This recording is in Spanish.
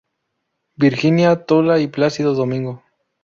Virginia Tola y Plácido Domingo.